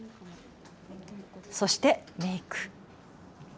そしてメーク。